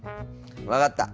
分かった！